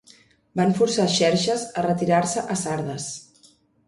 Van forçar Xerxes a retirar-se a Sardes.